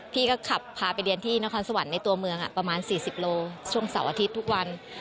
พี่ก็ขับพาไปเรียนที่นครสวรรค์ในตัวเมืองประมาณ๔๐โลช่วงเสาร์อาทิตย์ทุกวัน